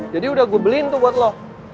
jadi udah gue beliin tuh buat lo